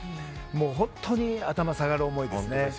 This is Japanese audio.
本当に頭が下がる思いですね。